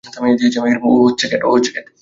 ও হচ্ছে ক্যাট!